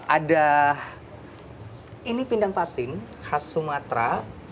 ada ini pindang patin khas sumatera